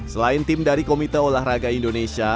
selain tim dari komite olahraga indonesia